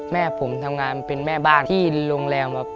แม่ผมทำงานเป็นแม่บ้านที่โรงแรมครับ